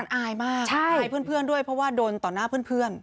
อายมากอายเพื่อนด้วยเพราะว่าโดนต่อหน้าเพื่อน